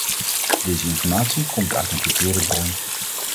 Deze informatie komt uit een verkeerde bron.